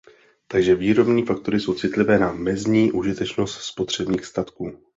Takže výrobní faktory jsou citlivé na mezní užitečnost spotřebních statků.